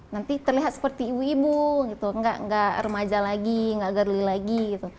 nanti terlihat seperti ibu ibu gitu nggak remaja lagi nggak girly lagi gitu